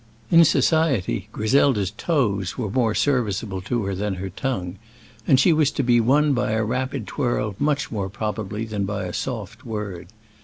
In society Griselda's toes were more serviceable to her than her tongue, and she was to be won by a rapid twirl much more probably than by a soft word.